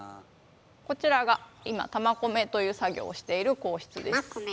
こちらが今「玉込め」という作業をしている工室です。